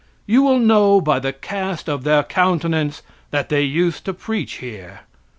You will know by the cast of their countenance that they used to preach here.